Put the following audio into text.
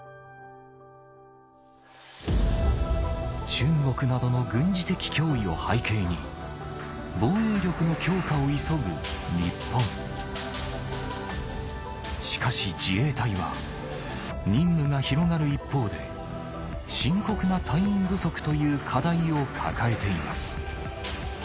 中国などの軍事的脅威を背景に防衛力の強化を急ぐ日本しかし自衛隊は任務が広がる一方で深刻な隊員不足という課題を抱えています